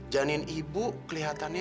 janin ibu kelihatan